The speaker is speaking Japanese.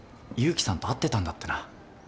勇気さんと会ってたんだってな。